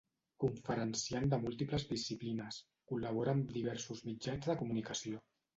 Conferenciant de múltiples disciplines, col·labora amb diversos mitjans de comunicació.